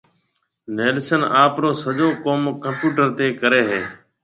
نيلسن آپرو سجو ڪوم ڪمپيوٽر تيَ ڪرَي ھيََََ